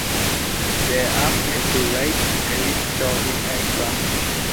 There are plans to raise and restore this aircraft.